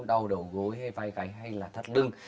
đau đầu gối hay vai gáy hay là thắt lưng